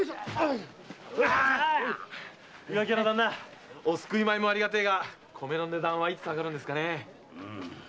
岩城屋の旦那お救い米もありがたいが米の値段はいつ下がるんですかねえ。